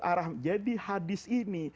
arah jadi hadis ini